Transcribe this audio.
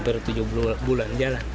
berdua bulan jalan